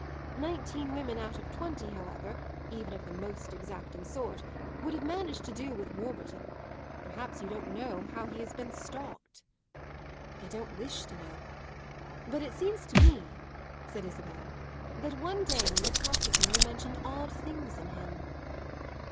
Nineteen women out of twenty, however, even of the most exacting sort, would have managed to do with Warburton. Perhaps you don't know how he has been stalked." "I don't wish to know. But it seems to me," said Isabel, "that one day when we talked of him you mentioned odd things in him."